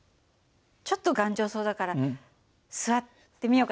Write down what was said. ちょっと頑丈そうだから座ってみようかな。